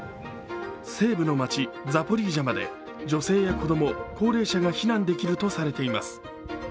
西部の街、ザポリージャまで女性や子供高齢者が避難できるとされています。